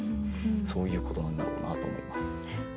そういうことなんだろうなと思います。